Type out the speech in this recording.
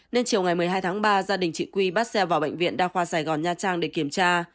nên chiều ngày một mươi hai tháng ba gia đình chị quy bắt xe vào bệnh viện đa khoa sài gòn nha trang để kiểm tra